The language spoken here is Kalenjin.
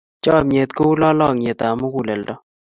Chomnyet kou lolong'yetab muguleldo.